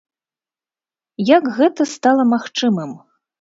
Як гэта стала магчымым?